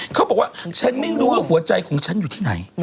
เขาบอกว่าฉันไม่รู้ว่าหัวใจของฉันอยู่ที่ไหน